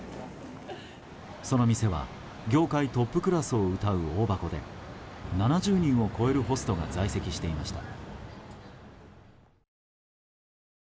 その店は業界トップクラスをうたう大箱で７０人を超えるホストが在籍していました。